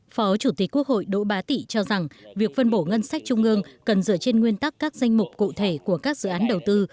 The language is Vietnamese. phó chủ tịch quốc hội đỗ bá tị cho rằng việc phân bổ ngân sách trung ương cần dựa trên nguyên tắc các danh mục cụ thể của các dự án đầu tư